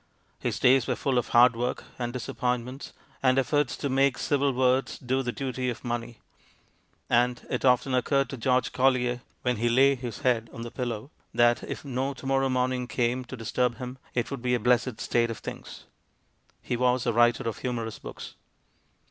His days were full of hard work, and disappointments, and efforts to make civil words do the duty of money; and it often oc curred to George Collier, when he lay his head on the pillow, that if no to morrow morning came to disturb him, it would be a blessed state of things. He was a writer of humorous books.